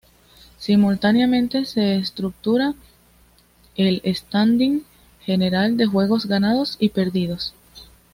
Simultáneamente se estructura el "Standing General de Juegos Ganados y Perdidos".